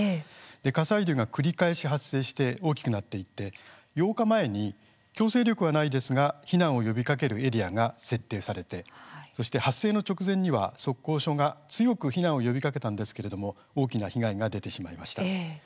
火砕流が繰り返し発生して大きくなっていって、８日前に強制力はないですが避難を呼びかけるエリアが設定されて発生の直前には測候所が強く避難を呼びかけたんですけれども大きな被害が出てしまいました。